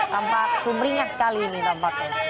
tampak sumringah sekali ini tampaknya